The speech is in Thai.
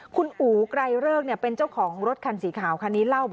คุณอู๋ไกรเริกเป็นเจ้าของรถคันสีขาวค่ะ